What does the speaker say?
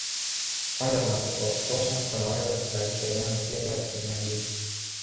kwanza kuna upepo wa kutosha unaoweza kuzalisha umeme pia bila kutumia gesi